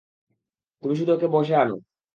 তুমি শুধু ওকে বশে আনো।